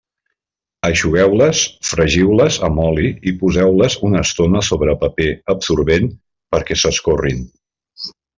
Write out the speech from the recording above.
Eixugueu-les, fregiu-les amb oli i poseu-les una estona sobre paper absorbent perquè s'escorrin.